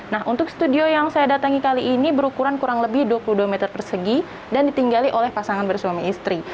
nah untuk studio yang saya datangi kali ini berukuran kurang lebih dua puluh dua meter persegi dan ditinggali oleh pasangan bersuami istri